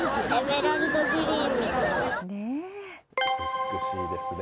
美しいですね。